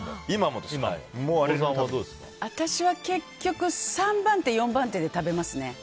私は結局３番手、４番手で食べますね。